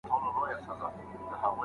هغه سړی تر موږ ډېر ليري غره ته تللی و.